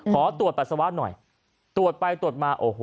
ขอตรวจปัสสาวะหน่อยตรวจไปตรวจมาโอ้โห